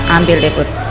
ambil deh put